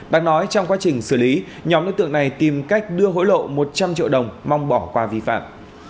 đáng nói trong quá trình xử lý nhóm đối tượng này tìm cách đưa hối lộ một trăm linh triệu đồng mong bỏ qua vi phạm